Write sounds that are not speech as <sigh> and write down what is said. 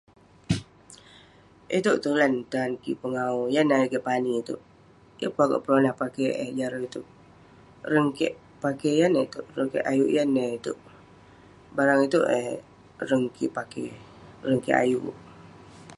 <noise> Itouk tulan tan kik pengawu, yan neh ayuk kik pani itouk. Yeng pun akouk peronah pakey eh jarun itouk. Reng kek pakey yan neh itouk, reng kek ayuk yan neh itouk. Barang itouk eh reng kik pakey, reng kik ayuk.